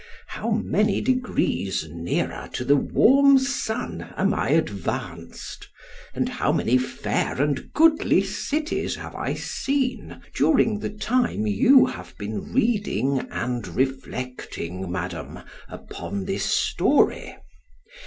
—how many degrees nearer to the warm sun am I advanced, and how many fair and goodly cities have I seen, during the time you have been reading and reflecting, Madam, upon this story!